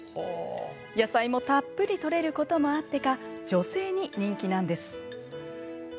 野菜もたっぷりとれることもあってか女性に人気なんです。